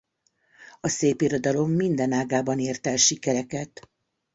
A szépirodalom minden ágában ért el sikereket.